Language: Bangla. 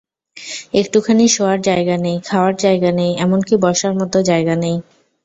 একটুখানি শোয়ার জায়গা নেই, খাওয়ার জায়গা নেই, এমনকি বসার মতো জায়গা নেই।